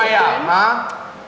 việc của mày à